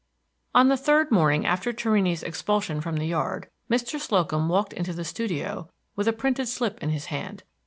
XIV On the third morning after Torrini's expulsion from the yard, Mr. Slocum walked into the studio with a printed slip in his hand.